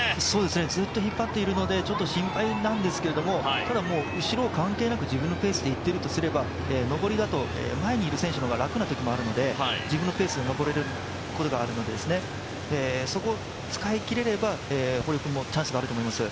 ずっと引っ張っているのでちょっと心配なんですけどただもう後ろ関係なく自分のペースでいっているとすれば上りだと前にいる選手の方が楽なときがあるので、自分のペースで上れることがあるので、そこを使い切れれば、堀尾君もチャンスがあると思います。